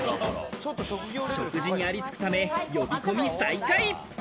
食事にありつくため呼び込み再開。